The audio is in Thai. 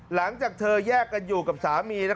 หลังจากเธอแยกกันอยู่กับสามี